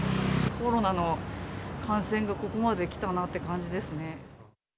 コロナの感染がここまで来たなって感じですね。